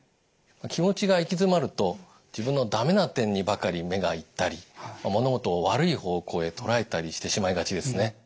気持ちが行き詰まると自分の駄目な点にばかり目がいったり物事を悪い方向へとらえたりしてしまいがちですね。